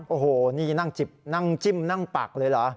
โอ้โหนี่นั่งจิบนั่งจิ้มนั่งปักเลยเหรอ